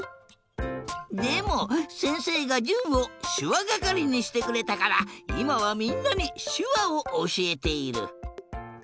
でもせんせいがじゅんをしゅわがかりにしてくれたからいまはみんなにしゅわをおしえている。